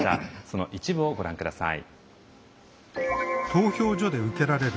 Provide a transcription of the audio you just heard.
その一部をご覧ください。